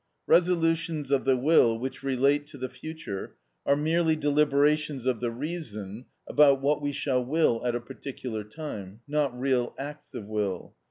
Resolutions of the will which relate to the future are merely deliberations of the reason about what we shall will at a particular time, not real acts of will.